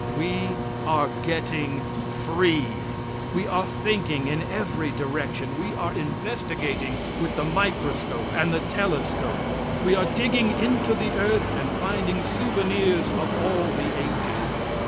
We are getting free. We are thinking in every direction. We are investigating with the microscope and the telescope. We are digging into the earth and finding souvenirs of all the ages.